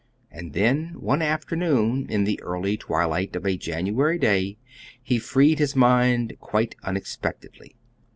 And then, one afternoon in the early twilight of a January day, he freed his mind, quite unexpectedly.